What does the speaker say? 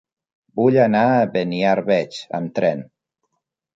Vull anar a Beniarbeig amb tren.